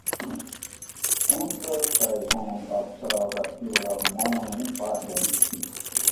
Emperor Taizong observed a period of mourning for him.